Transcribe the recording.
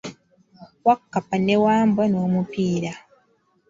Wakkapa ne Wambwa n'omupiira.